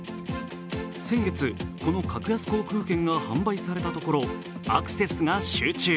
先月、この格安航空券が販売されたところ、アクセスが集中。